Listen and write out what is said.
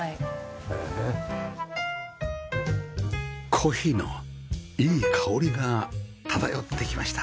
コーヒーのいい香りが漂ってきました